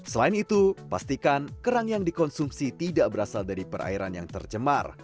selain itu pastikan kerang yang dikonsumsi tidak berasal dari perairan yang tercemar